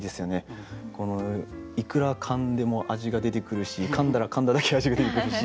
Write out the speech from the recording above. このいくらかんでも味が出てくるしかんだらかんだだけ味が出てくるし。